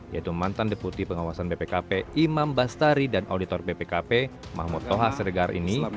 yaitu mantan deputi pengawasan bpkp imam bastari dan auditor bpkp mahmud toha seregar ini